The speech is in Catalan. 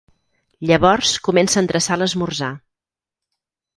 Llavors comença a endreçar l'esmorzar.